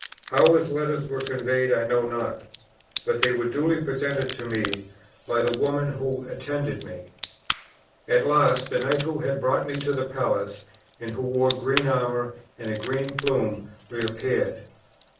How his letters were conveyed I know not; but they were duly presented to me by the woman who attended me. At last the knight who had brought me to the place, and who wore green armor, and a green plume, reappeared."